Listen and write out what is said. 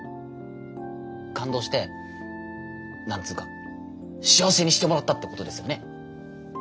感動して何つうか幸せにしてもらったってことですよね。